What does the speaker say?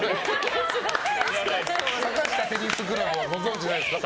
坂下テニスクラブご存じないですか？